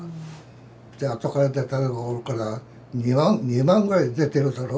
であとから出たのがおるから２万ぐらい出てるだろう